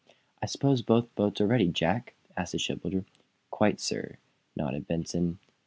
"I suppose both boats are ready, Jack?" asked the shipbuilder. "Quite, sir," nodded Benson.